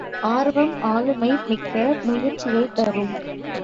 ஆர்வம், ஆளுமை மிக்க முயற்சியைத் தரும்.